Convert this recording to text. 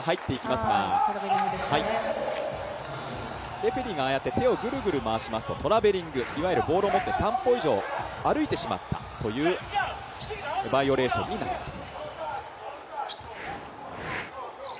レフェリーが手をぐるぐる回しますとトラベリング、いわゆるボールを持って３歩以上、歩いてしまったというバイオレーションになります。